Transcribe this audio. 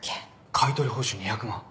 買い取り報酬２００万。